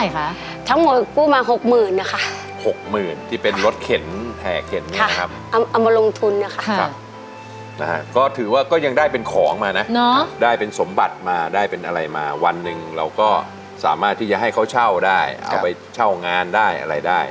ก็ถือว่าก็ยังได้เป็นของมานะได้เป็นสมบัติมาได้เป็นอะไรมาวันหนึ่งเราก็สามารถที่จะให้เขาเช่าได้เอาไปเช่างานได้อะไรได้